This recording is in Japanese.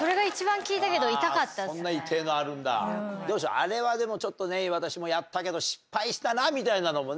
あれはでもちょっと私もやったけど失敗したなみたいなのもね。